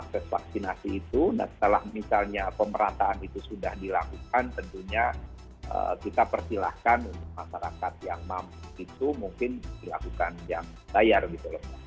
proses vaksinasi itu setelah misalnya pemerataan itu sudah dilakukan tentunya kita persilahkan untuk masyarakat yang mampu itu mungkin dilakukan yang bayar gitu loh